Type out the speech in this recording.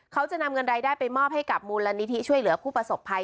เขาจะนำเงินรายได้ไปมอบให้กับมูลนิธิช่วยเหลือผู้ประสบภัย